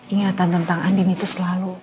ingatan tentang andini itu selalu